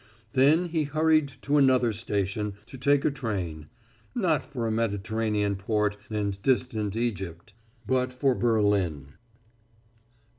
Then he hurried to another station to take a train not for a Mediterranean port and distant Egypt, but for Berlin.